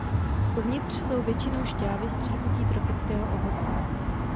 Uvnitř jsou většinou šťávy s příchutí tropického ovoce.